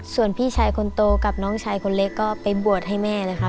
ส่วนพี่ชายคนโตกับน้องชายคนเล็กก็ไปบวชให้แม่นะครับ